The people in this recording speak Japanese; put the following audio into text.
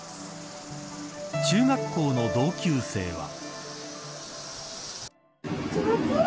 中学校の同級生は。